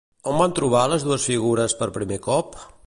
On van trobar les dues figures per primer cop?